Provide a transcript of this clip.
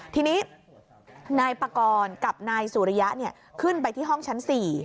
ทีนี้นายปากรกับนายสุริยะขึ้นไปที่ห้องชั้น๔